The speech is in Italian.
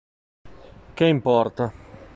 Che importa?